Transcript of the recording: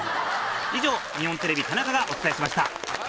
以上日本テレビ田中がお伝えしました。